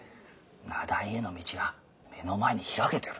名題への道が目の前に開けてる。